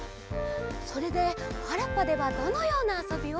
それではらっぱではどのようなあそびを？